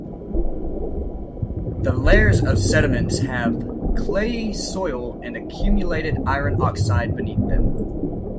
The layers of sediments have clayey soil and accumulated iron oxide beneath them.